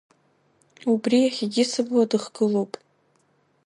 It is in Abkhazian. Убри иахьагьы сыбла дыхгылоуп.